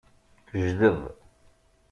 Jdeb.